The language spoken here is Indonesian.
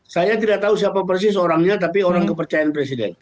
saya tidak tahu siapa persis orangnya tapi orang kepercayaan presiden